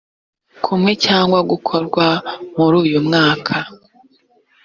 kumwe cyangwa gukorwa muruyumwaka